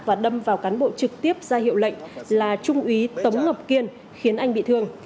và đâm vào cán bộ trực tiếp ra hiệu lệnh là trung úy tống ngọc kiên khiến anh bị thương